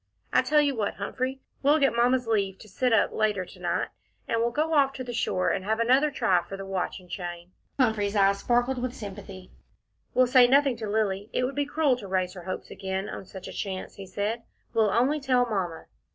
I tell you what, Humphrey, we'll get Mamma's leave to sit up later to night, and we'll go off to the shore and have another try for the watch and chain." Humphrey's eyes sparkled with sympathy. "We'll say nothing to Lilly it would be cruel to raise her hopes again on such a chance," he said. "We'll only tell Mamma."